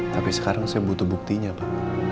tapi sekarang saya butuh buktinya pak